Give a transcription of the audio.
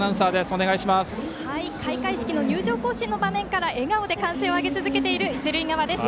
開会式の入場行進から笑顔で歓声を上げている一塁側です。